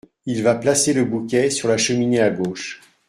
Il va placer le bouquet sur la cheminée à gauche.